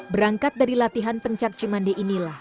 berangkat dari latihan pencak cimandi inilah